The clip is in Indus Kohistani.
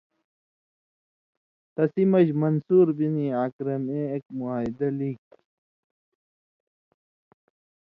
تسی مژ منصور بن عکرمے اېک معاہدہ لیکیۡ